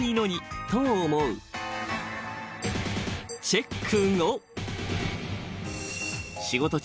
［チェック５］